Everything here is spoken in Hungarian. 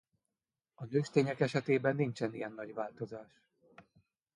A nőstények esetében nincsen ilyen nagy változás.